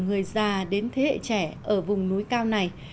người già đến thế hệ trẻ ở vùng núi cao này